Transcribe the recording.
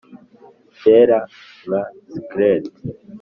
cyera nka skelet